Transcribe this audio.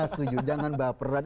setuju jangan baperan